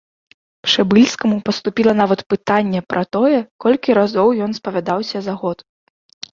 Пшэбыльскаму паступіла нават пытанне пра тое, колькі разоў ён спавядаўся за год.